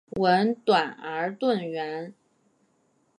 吻短而钝圆。